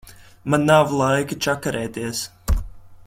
Man nav laika čakarēties.